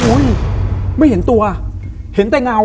ไม่เห็นตัวเห็นแต่เงา